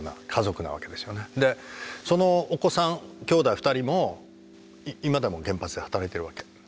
でそのお子さん兄弟２人も今でも原発で働いてるわけ。